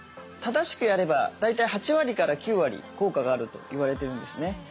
正しくやれば大体８割から９割効果があると言われてるんですね。